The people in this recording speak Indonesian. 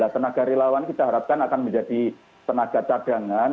tenaga relawan kita harapkan akan menjadi tenaga cadangan